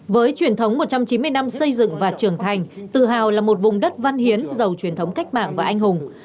với truyền thống một trăm chín mươi năm xây dựng và trưởng thành tự hào là một vùng đất văn hiến giàu truyền thống cách mạng và anh hùng